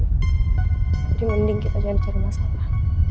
jadi mending kita jangan cari masalah